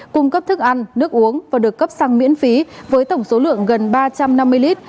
cung cấp thức ăn nước uống và được cấp sang miễn phí với tổng số lượng gần ba trăm năm mươi lít